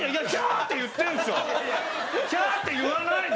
って言わないで。